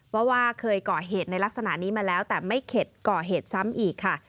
ว่าเคยก่อเหตุในลักษณะนี้มาแล้วแต่ไม่เข็ดก่อเหตุซ้ำอีกค่ะ